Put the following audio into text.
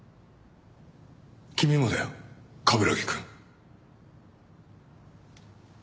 君もだよ冠城くん。